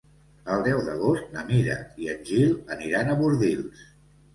El deu d'agost na Mira i en Gil aniran a Bordils.